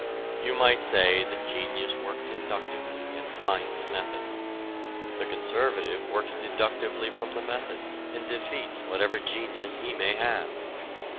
You might say that genius works inductively and finds a method; the conservative works deductively from the method and defeats whatever genius he may have.